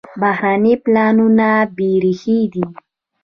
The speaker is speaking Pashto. بهرني پلانونه بېریښې دي.